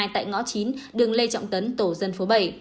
tại ngõ chín đường lê trọng tấn tổ dân phố bảy